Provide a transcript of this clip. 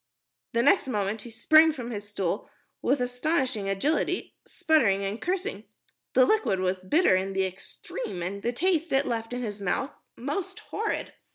The next moment he sprang from his stool with astonishing agility, spluttering and cursing. The liquid was bitter in the extreme, the taste it left in his mouth most horrid.